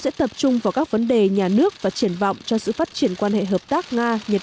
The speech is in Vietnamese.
sẽ tập trung vào các vấn đề nhà nước và triển vọng cho sự phát triển quan hệ hợp tác nga nhật